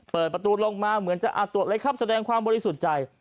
เปิดประตูลงมาเหมือนจะอาจตรวจเลยครับแสดงความบริสุทธิ์ใจ